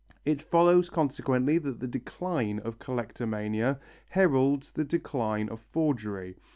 It follows consequently that the decline of Collectomania heralds the decline of Forgery.